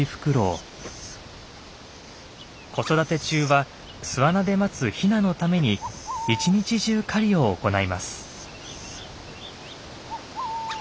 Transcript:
子育て中は巣穴で待つヒナのために一日中狩りを行います。